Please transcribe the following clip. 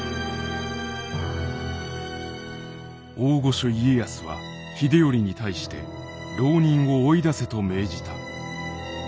「大御所家康は秀頼に対して牢人を追い出せと命じた。